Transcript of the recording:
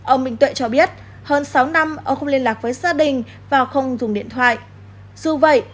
ông minh tuệ cho biết hơn sáu năm ông không liên lạc với gia đình và không dùng điện thoại dù vậy